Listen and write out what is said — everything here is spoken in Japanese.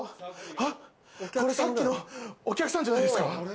あっこれさっきのお客さんじゃないですか。